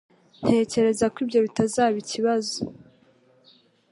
Ntekereza ko ibyo bitazaba ikibazo.